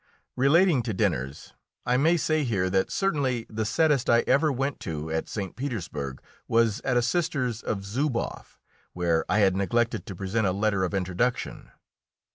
Relating to dinners, I may say here that certainly the saddest I ever went to at St. Petersburg was at a sister's of Zuboff, where I had neglected to present a letter of introduction.